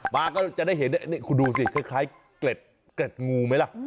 มาก็จะได้เห็นนี่คุณดูสิคล้ายเกล็ดงูไหมล่ะ